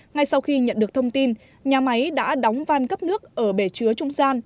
ngay sau khi nhận được thông tin nhà máy đã đóng van cấp nước ở bể chứa trung gian